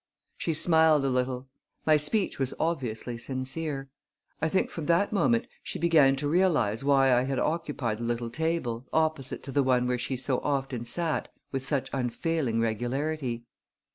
She smiled a little. My speech was obviously sincere. I think from that moment she began to realize why I had occupied the little table, opposite to the one where she so often sat, with such unfailing regularity.